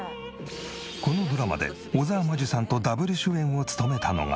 このドラマで小沢真珠さんとダブル主演を務めたのが。